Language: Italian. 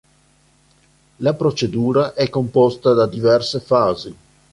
La procedura è composta da diverse fasi.